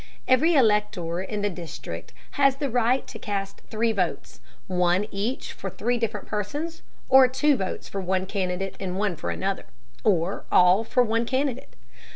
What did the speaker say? Every elector in the district has the right to cast three votes, one each for three different persons, or two votes for one candidate and one for another, or all for one candidate.